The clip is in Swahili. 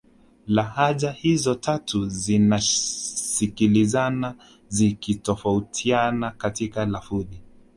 Lahaja hizo tatu zinasikilizana zikitofautiana katika lafudhi